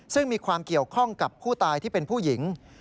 ซึ่งมีความเกี่ยวข้องกับผู้ตายที่เป็นผู้หญิง